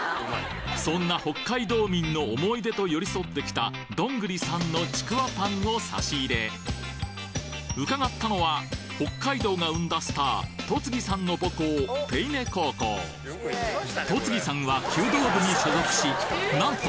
そんな北海道民の思い出と寄り添ってきた伺ったのは北海道が生んだスター戸次さんの母校戸次さんは弓道部に所属しなんと！